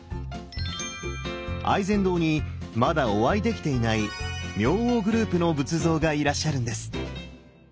愛染堂にまだお会いできていない明王グループの仏像がいらっしゃるんです！